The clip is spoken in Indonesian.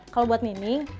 kalau buat nining